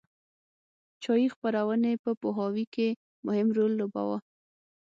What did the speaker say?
چاپي خپرونې په پوهاوي کې مهم رول ولوباوه.